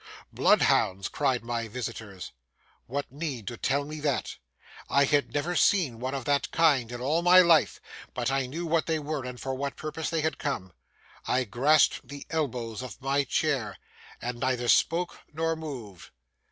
'Bloodhounds!' cried my visitors. What need to tell me that! I had never seen one of that kind in all my life, but I knew what they were and for what purpose they had come. I grasped the elbows of my chair, and neither spoke nor moved.